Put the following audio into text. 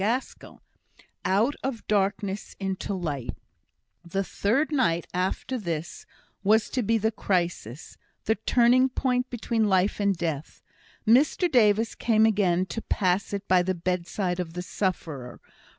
CHAPTER XXXV Out of Darkness into Light The third night after this was to be the crisis the turning point between Life and Death. Mr Davis came again to pass it by the bedside of the sufferer.